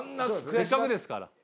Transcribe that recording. せっかくですから。